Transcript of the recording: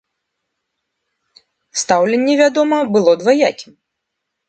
Стаўленне, вядома, было дваякім.